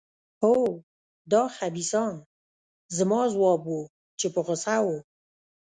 هو، دا خبیثان. زما ځواب و، چې په غوسه وو.